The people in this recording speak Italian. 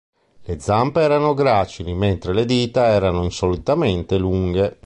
Le zampe erano gracili, mentre le dita erano insolitamente lunghe.